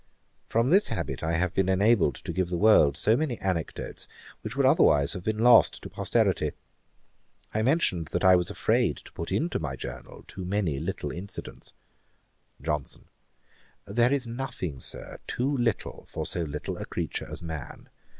From this habit I have been enabled to give the world so many anecdotes, which would otherwise have been lost to posterity. I mentioned that I was afraid I put into my journal too many little incidents. JOHNSON. 'There is nothing, Sir, too little for so little a creature as man.